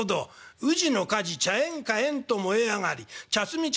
「『宇治の火事茶園火炎と燃え上がり茶摘み茶